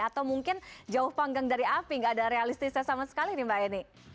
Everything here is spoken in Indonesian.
atau mungkin jauh panggang dari api nggak ada realistisnya sama sekali nih mbak eni